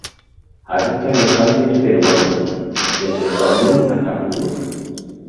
Habita en los Andes peruanos, desde Junín hasta Puno.